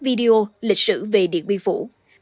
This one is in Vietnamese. video lịch sử về điện biên phủ